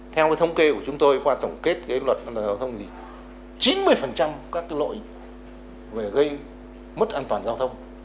theo cái thông kê của chúng tôi qua tổng kết cái luật an toàn giao thông gì chín mươi các cái lỗi về gây mất an toàn giao thông